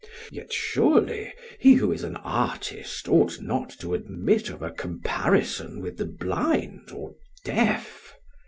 Yet, surely, he who is an artist ought not to admit of a comparison with the blind, or deaf.